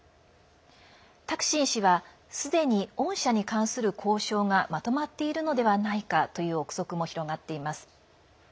タクシン氏はすでに恩赦に関する交渉がまとまっているのではないかという憶測も広がっています。